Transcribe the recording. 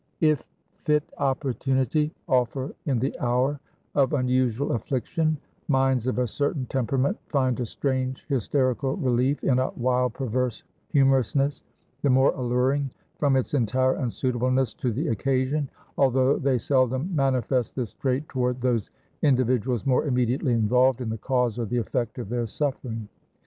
If fit opportunity offer in the hour of unusual affliction, minds of a certain temperament find a strange, hysterical relief, in a wild, perverse humorousness, the more alluring from its entire unsuitableness to the occasion; although they seldom manifest this trait toward those individuals more immediately involved in the cause or the effect of their suffering.